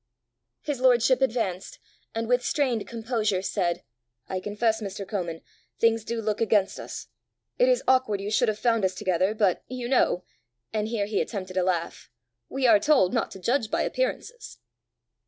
His lordship advanced, and with strained composure said, "I confess, Mr. Comin, things do look against us. It is awkward you should have found us together, but you know" and here he attempted a laugh "we are told not to judge by appearances!"